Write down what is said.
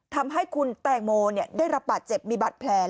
ทำให้คุณแตงโมได้รับบาดเจ็บมีบาดแผล